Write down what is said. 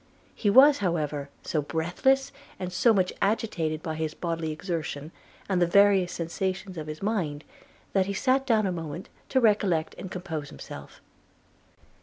He was, however, so breathless, and so much agitated by his bodily exertion, and the various sensations of his mind, that he sat down a moment to recollect and compose himself.